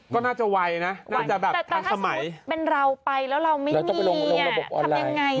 ก็น่าจะไวนะน่าจะแบบทั้งสมัยแต่ถ้าสมมุติเป็นเราไปแล้วเราไม่มีเราต้องไปลงระบบออนไลน์